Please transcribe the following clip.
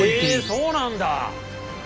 そうなんだ。